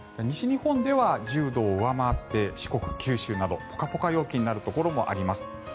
西日本では１０度を上回って四国、九州などポカポカ陽気になるところもあります。